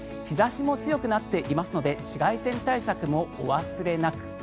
日差しも強くなっていますので紫外線対策もお忘れなく。